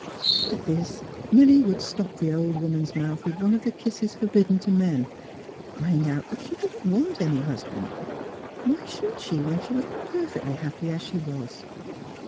But at this Milly would stop the old woman's mouth with one of the kisses forbidden to men, crying out that she didn't want any husband. Why should she — when she was perfectly happy as she was?